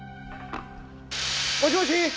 もしもし？